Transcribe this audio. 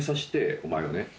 お前をね